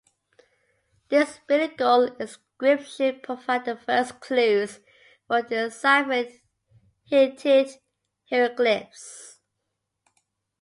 This bilingual inscription provided the first clues for deciphering Hittite hieroglyphs.